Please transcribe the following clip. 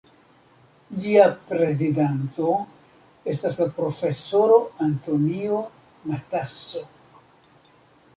Ĝia prezidanto estas la profesoro Antonio Matasso.